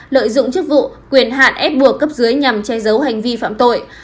lợi dụng chức vụ quyền hạn ép buộc cấp dưới nhằm che giấu hành vi phạm tội